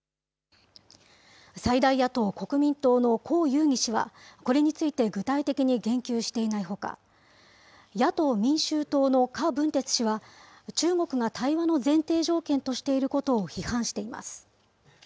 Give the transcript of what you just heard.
最大野党・国民党の侯友宜氏は、これについて具体的に言及していないほか、野党・民衆党の柯文哲氏は、中国が対話の前提条件としていることを批判しています。